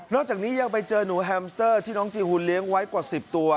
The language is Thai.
จากนี้ยังไปเจอหนูแฮมสเตอร์ที่น้องจีหุ่นเลี้ยงไว้กว่า๑๐ตัว